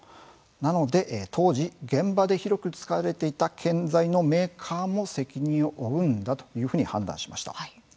なので当時現場で広く使われていた建材のメーカーも責任を負うんだというふうに判断しました。